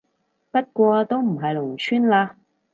不過都唔係農村嘞